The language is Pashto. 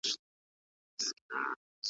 د ژوند تڼاکي سولوم په سرابي مزلونو ,